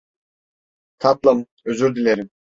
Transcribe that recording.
Tatlım, özür dilerim.